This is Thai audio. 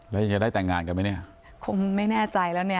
แล้วยังจะได้แต่งงานกันไหมเนี่ยคงไม่แน่ใจแล้วเนี่ย